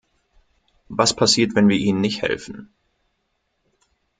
Was passiert, wenn wir ihnen nicht helfen?